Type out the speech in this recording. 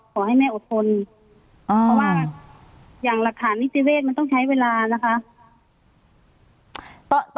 ขอให้แม่อดทนเพราะว่าอย่างหลักฐานนิติเวศมันต้องใช้เวลานะคะ